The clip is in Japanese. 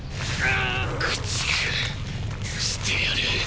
駆逐してやる！